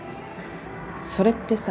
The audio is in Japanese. それってさ。